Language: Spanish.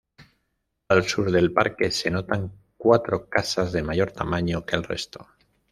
Al sur del parque se notan cuatro casas de mayor tamaño que el resto.